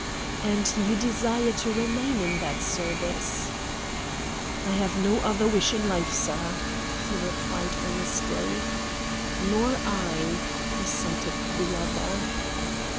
"And you desire to remain in that service?" "I have no other wish in life, sir," he replied earnestly. "Nor I," assented the other.